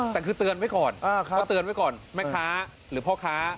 แต่คือเตือนไว้ก่อนเขาเตือนไว้ก่อนแม่ค้าหรือพ่อค้า